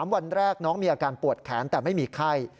วันแรกน้องมีอาการปวดแขนแต่ไม่มีไข้